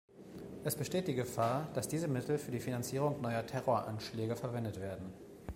Es besteht die Gefahr, dass diese Mittel für die Finanzierung neuer Terroranschläge verwendet werden.